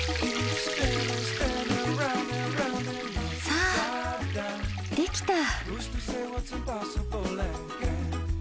さあできた。